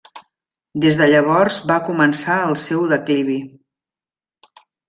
Des de llavors va començar el seu declivi.